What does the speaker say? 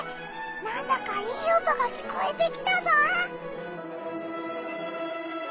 なんだかいい音が聞こえてきたぞ！